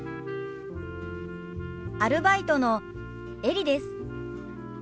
アルバイトのエリです。